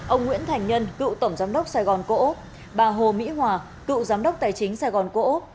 ông nguyễn thành nhân cựu tổng giám đốc sài gòn cổ úc bà hồ mỹ hòa cựu giám đốc tài chính sài gòn cổ úc